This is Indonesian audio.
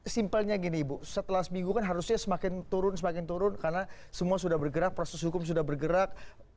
simpelnya gini ibu setelah seminggu kan harusnya semakin turun semakin turun karena semua sudah bergerak proses hukum sudah bergerak